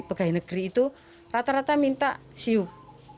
begai negeri itu rata rata minta siuk